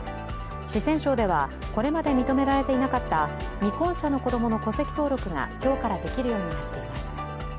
四川省ではこれまで認められていなかった未婚者の子供の戸籍登録が今日からできるようになっています。